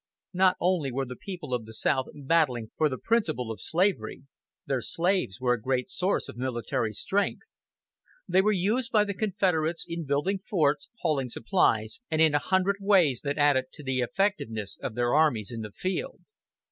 Not only were the people of the South battling for the principle of slavery; their slaves were a great source of military strength. They were used by the Confederates in building forts, hauling supplies, and in a hundred ways that added to the effectiveness of their armies in the field.